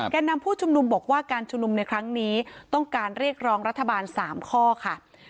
การนำผู้ชุมนุมบอกว่าการชุมนุมในครั้งนี้ต้องการเรียกร้องรัฐบาล๓ข้อค่ะ